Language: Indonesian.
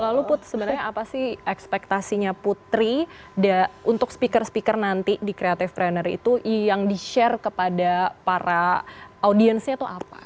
lalu put sebenarnya apa sih ekspektasinya putri untuk speaker speaker nanti di creative planner itu yang di share kepada para audiensnya itu apa